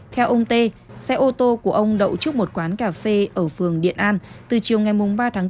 theo ông tê xe ô tô của ông đậu trước một quán cà phê ở phường điện an từ chiều ngày ba tháng bốn